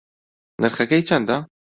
نرخەکەی چەندە؟